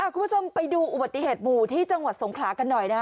คุณผู้ชมไปดูอุบัติเหตุหมู่ที่จังหวัดสงขลากันหน่อยนะ